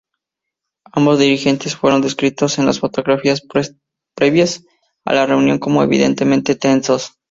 Ambos dirigentes fueron descritos en las fotografías previas a la reunión como evidentemente tensos.